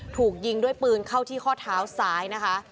ถูกยิงด้วยปืนเข้าที่ข้อเท้าซ้ายนะคะ